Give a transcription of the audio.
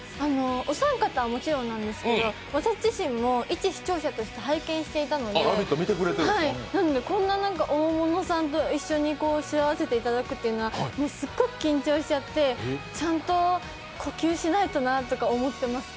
お三方はもちろんなんですけど、私自身も一視聴者として拝見していたのでこんなに大物さんと一緒に座らせていただくのはすっごく緊張してしまってちゃんと呼吸しないとなとか思ってます。